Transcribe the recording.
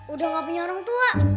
udah gak punya orang tua